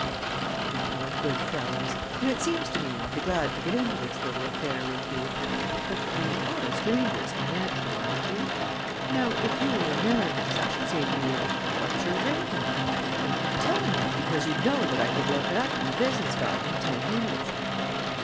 Now I know you are good fellows and it seems to me I'll be glad to go into this little affair with you; but we are strangers financially, aren't we? Now if you were Americans I should say to you: 'What's your rating?' and you'd tell me, because you'd know that I could look it up in a business guide in ten minutes."